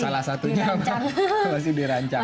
salah satunya masih dirancang